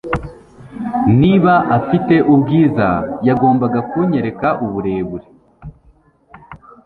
Niba afite ubwiza yagombaga kunyereka uburebure